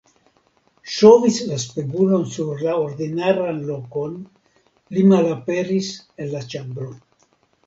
Ŝovis la spegulon sur la ordinaran lokon, li malaperis el la ĉambro.